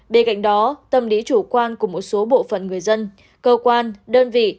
bên cạnh đó tâm lý chủ quan của một số bộ phận người dân cơ quan đơn vị